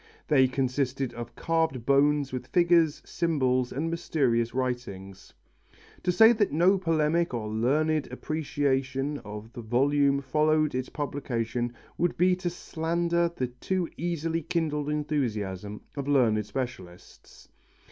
They consisted of carved bones with figures, symbols and mysterious writings. To say that no polemic or learned appreciation of the volume followed its publication would be to slander the too easily kindled enthusiasm of learned specialists.